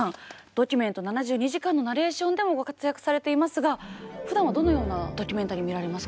「ドキュメント７２時間」のナレーションでもご活躍されていますがふだんはどのようなドキュメンタリー見られますか？